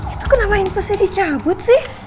itu kenapa infusnya dicabut sih